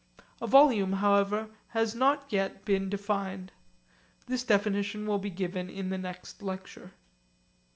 A volume however has not yet been defined. This definition will be given in the next lecture.